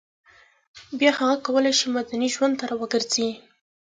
بیا هغه کولای شي مدني ژوند ته راوګرځي